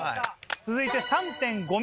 続いて３．５ｍ。